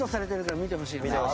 見てほしいね。